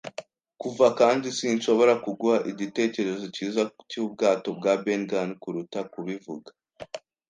kuva, kandi sinshobora kuguha igitekerezo cyiza cyubwato bwa Ben Gunn kuruta kubivuga